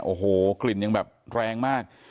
โอ้โหกลิ่นยังแบบแรงมาก